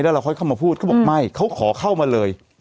แล้วเราค่อยเข้ามาพูดเขาบอกไม่เขาขอเข้ามาเลย